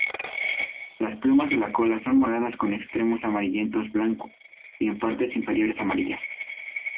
Las plumas de la cola son moradas con extremos amarillento-blanco, y partes inferiores amarillas.